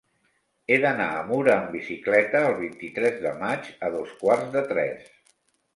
He d'anar a Mura amb bicicleta el vint-i-tres de maig a dos quarts de tres.